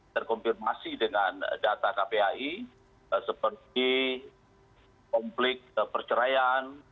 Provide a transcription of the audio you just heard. terkonfirmasi dengan data kpai seperti konflik perceraian